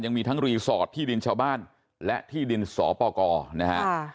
ยังมีทั้งรีสอร์ทที่ดินชาวบ้านและที่ดินสปกรนะฮะ